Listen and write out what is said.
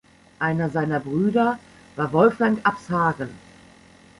Einer seiner Brüder war Wolfgang Abshagen.